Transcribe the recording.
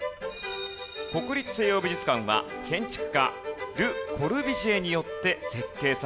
国立西洋美術館は建築家ル・コルビュジエによって設計されました。